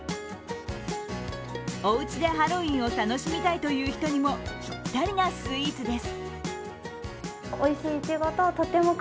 おうちでハロウィーンを楽しみたいという人にもぴったりなスイーツです。